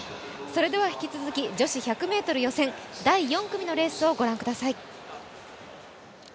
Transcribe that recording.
引き続き女子１００ｍ予選第４組のレースをご覧ください。